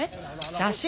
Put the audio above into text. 写真！